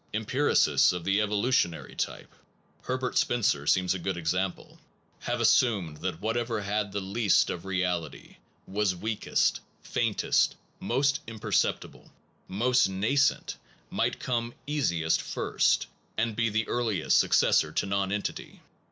Empiricists of the evolution empiricist ar y type Herbert Spencer seems treatments a go()( j exam pl e nave assumed that whatever had the least of reality, was weakest, faintest, most imperceptible, most nascent, might come easiest first, and be the earliest successor to nonentity.